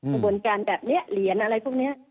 กระบวนการแบบนี้เหรียญอะไรพวกนี้